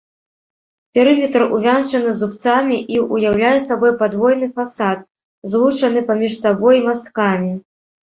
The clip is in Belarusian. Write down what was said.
Перыметр увянчаны зубцамі і ўяўляе сабой падвойны фасад, злучаны паміж сабой масткамі.